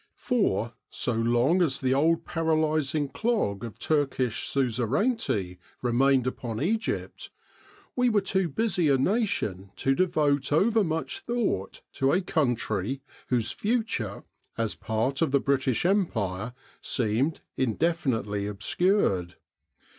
For, so long as the old paralysing clog of Turkish suzerainty remained upon Egypt, we were too busy a nation to devote over much thought to a country whose future, as part of the British Empire, seemed indefinitely obscured.